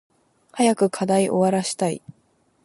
早く課題終わらしたい。